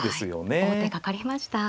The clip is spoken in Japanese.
はい王手かかりました。